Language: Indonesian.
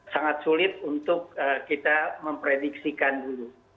sangat sulit untuk kita memprediksikan dulu